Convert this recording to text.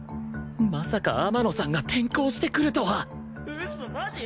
まさか天野さんが転校してくるとはうっそマジ！？